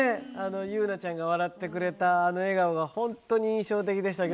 優菜ちゃんが笑ってくれたあの笑顔がホントに印象的でしたけど。